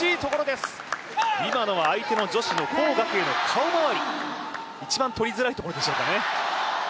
今のは相手の女子の黄雅瓊の顔周り、一番取りづらいところでしょうかね。